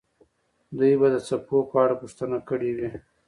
دوی به د څپو په اړه پوښتنه کړې وي.